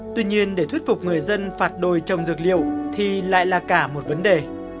tuy nhiên để thuyết phục người dân phạt đồi trồng dược liệu thì lại là cả một vấn đề